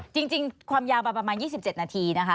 จริงความยาวประมาณ๒๗นาทีนะคะ